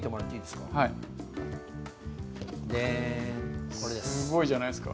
すごいじゃないですか。